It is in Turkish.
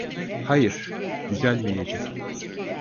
Hayır, düzelmeyecek.